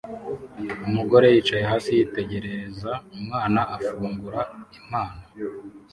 Umugore yicaye hasi yitegereza umwana afungura impano